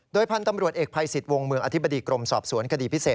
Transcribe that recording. พันธุ์ตำรวจเอกภัยสิทธิ์วงเมืองอธิบดีกรมสอบสวนคดีพิเศษ